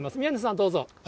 宮根さん、どうぞ。